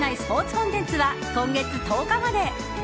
コンテンツは今月１０日まで。